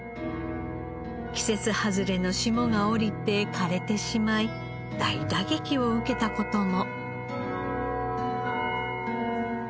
季節外れの霜が降りて枯れてしまい大打撃を受けた事も。